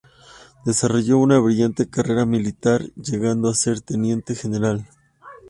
Desarrolló una brillante carrera militar, llegando a ser Teniente General.